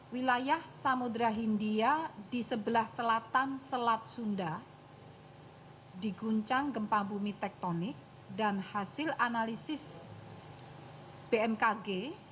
wilayah samudera hindia di sebelah selatan selat sunda diguncang gempa bumi tektonik dan hasil analisis bmkg